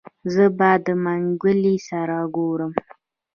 زه به د منګلي سره ګورم.